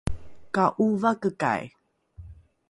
ka ’ovakekai